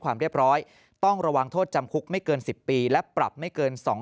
ความเรียบร้อยต้องระวังโทษจำคุกไม่เกิน๑๐ปีและปรับไม่เกิน๒๐๐